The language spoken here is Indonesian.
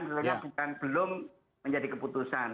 seharusnya belum menjadi keputusan